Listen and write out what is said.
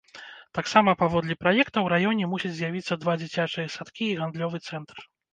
Таксама паводле праекта ў раёне мусіць з'явіцца два дзіцячыя садкі і гандлёвы цэнтр.